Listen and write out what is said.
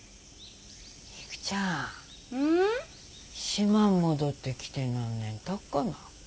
島ん戻ってきて何年たっかな？